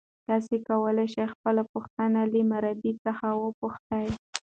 تاسي کولای شئ خپله پوښتنه له مربی څخه وپوښتئ.